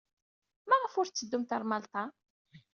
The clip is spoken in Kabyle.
Maɣef ur tetteddumt ɣer Malṭa?